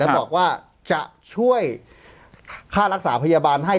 บอกว่าจะช่วยค่ารักษาพยาบาลให้